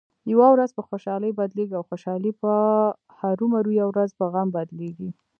یوه ورځ په خوشحالۍ بدلېږي او خوشحالي به هرومرو یوه ورځ په غم بدلېږې.